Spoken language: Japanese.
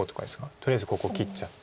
とりあえずここ切っちゃって。